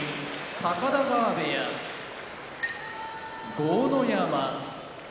高田川部屋豪ノ山